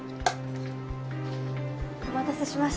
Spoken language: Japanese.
お待たせしました。